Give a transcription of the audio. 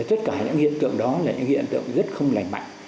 tất cả những hiện tượng đó là những hiện tượng rất không lành mạnh